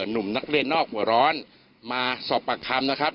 หนุ่มนักเรียนนอกหัวร้อนมาสอบปากคำนะครับ